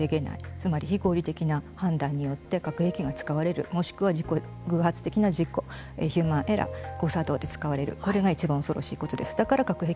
つまり非合理的な判断によって核兵器が使われるもしくは偶発的な事故ヒューマンエラー誤作動で使われるこれがいちばん恐ろしいことです。